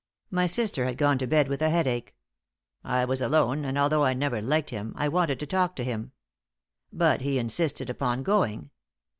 My sister had gone to bed with a headache. I was alone, and, although I never liked him, I wanted to talk to him. But he insisted upon going.